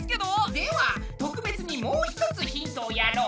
では特別にもう一つヒントをやろう。